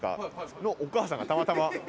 そのお母さんがたまたま。